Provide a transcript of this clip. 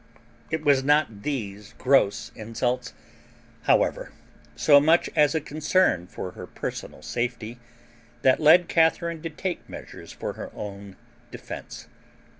It was not these gross insults, however, so much as a concern for her personal safety that led Catharine to take measures for her own defense.